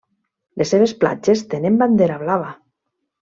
Les seves platges tenen bandera blava.